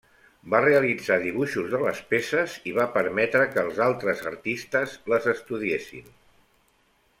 Va realitzar dibuixos de les peces, i va permetre que altres artistes les estudiessin.